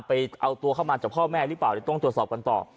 ไปเอาตัวเข้ามาจากพ่อแม่หรือเปล่าเดี๋ยวต้องตรวจสอบกันต่อ